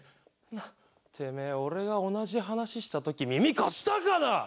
てめえ俺が同じ話した時耳貸したかな？